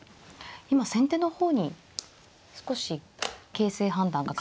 今先手の方に少し形勢判断が傾いていますね。